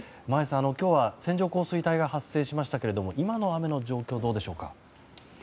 今日は線状降水帯が発生しましたけれども今の雨の状況どうでしょうか。